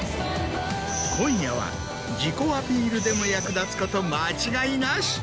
今夜は自己アピールでも役立つこと間違いなし！